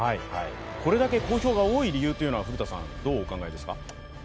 これだけ公表が多い理由というのはどうお考えですか？